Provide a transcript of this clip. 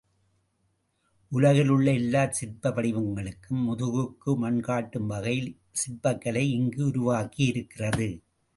உலகில் உள்ள எல்லா சிற்ப வடிவங்களுக்கும் முதுகுக்கு மண் காட்டும் வகையில் சிற்பக்கலை இங்கு உருவாகியிருக்கிறது.